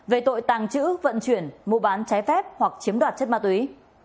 về tội tàng trữ vận chuyển mua bán trái phép hoặc chiếm đoạt chất ma túy